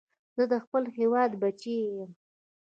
زه د خپل هېواد بچی یم